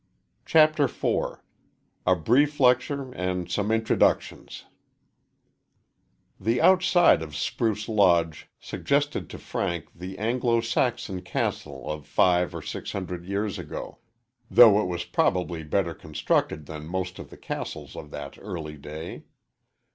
CHAPTER IV A BRIEF LECTURE AND SOME INTRODUCTIONS The outside of Spruce Lodge suggested to Frank the Anglo Saxon castle of five or six hundred years ago, though it was probably better constructed than most of the castles of that early day.